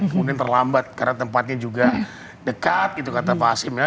kemudian terlambat karena tempatnya juga dekat gitu kata pak hasim ya